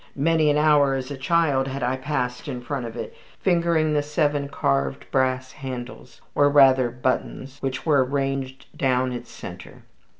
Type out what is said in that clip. Many an hour as a child had I passed in front of it, fingering the seven carved brass handles, or rather buttons, which were ranged down its center.